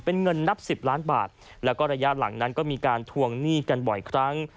เป็นเงินนับสิบล้านบาทแล้วก็ระยะหลังนั้นก็มีการทวงหนี้กันบ่อยครั้ง